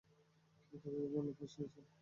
কেউ তাকে এ মামলায় ফাঁসিয়েছে।